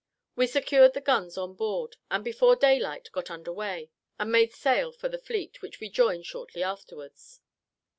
We secured the guns on board, and before daylight got under weigh, and made sail for the fleet, which we joined shortly afterwards.